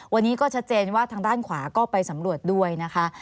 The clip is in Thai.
วันนี้ก็ชัดเจนว่าทางด้านขวาก็ไปสำรวจด้วยนะคะ